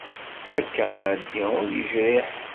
Akanadi ur yejriḥ.